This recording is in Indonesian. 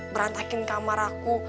berantakin kamar aku